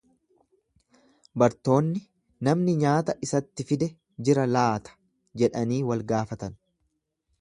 Bartoonni, Namni nyaata isatti fide jira laata jedhanii wal gaafatan.